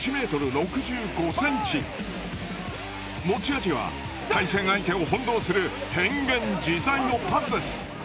持ち味は対戦相手を翻弄する変幻自在のパスです。